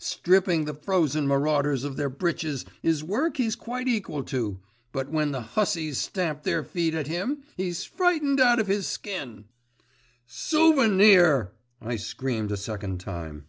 Stripping the frozen marauders of their breeches is work he's quite equal to, but when the hussies stamp their feet at him he's frightened out of his skin.' 'Souvenir!' I screamed a second time.